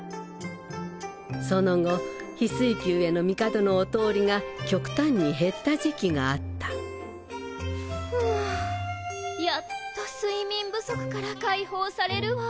その後翡翠宮への帝のお通りが極端に減った時期があったフゥやっと睡眠不足から解放されるわ。